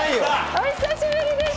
お久しぶりです。